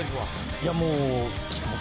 いやもう。